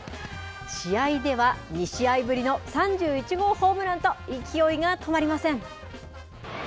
試合では、２試合ぶりの３１号ホームランと、勢いが止まりません。